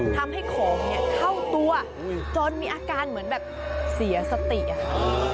ทำให้ของเนี่ยเข้าตัวจนมีอาการเหมือนแบบเสียสติอะค่ะ